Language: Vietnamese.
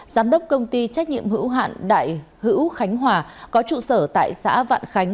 giám đốc công ty trách nhiệm hữu hạn đại hữu khánh hòa có trụ sở tại xã vạn khánh